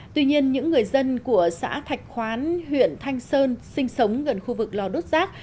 tuy nhiên những người dân của xã thạch khoán huyện thanh sơn sinh sống gần khu vực lò đốt rác